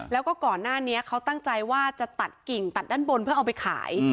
แล้วก็ก่อนหน้านี้เขาตั้งใจว่าจะตัดกิ่งตัดด้านบนเพื่อเอาไปขาย